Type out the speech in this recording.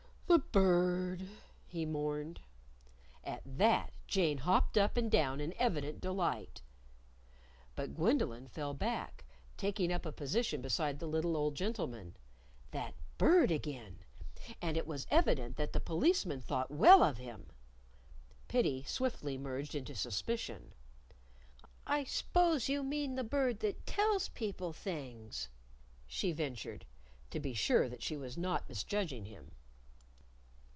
"The Bird!" he mourned. At that, Jane hopped up and down in evident delight. But Gwendolyn fell back, taking up a position beside the little old gentleman. That Bird again! And it was evident that the Policeman thought well of him! Pity swiftly merged into suspicion. "I s'pose you mean the Bird that tells people things," she ventured to be sure that she was not misjudging him.